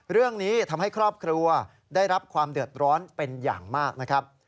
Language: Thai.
เรื่องนี้ทำให้ครอบครัวได้รับความเดือดร้อนเป็นอย่างมากนะครับ